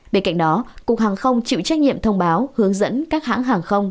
bên cạnh đó cục hàng không chịu trách nhiệm thông báo hướng dẫn các hãng hàng không